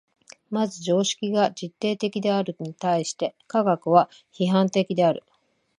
まず常識が実定的であるに対して科学は批判的である。